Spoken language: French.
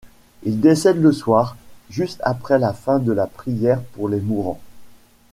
Il décède le soir, juste après la fin de la prière pour les mourants.